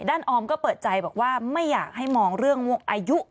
ออมก็เปิดใจบอกว่าไม่อยากให้มองเรื่องอายุ